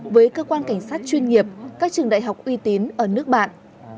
với cơ quan cảnh sát chuyên nghiệp các trường đại học uy tín ở nước bạn